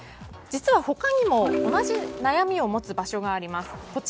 実は他にも同じ悩みを持つ場所があります。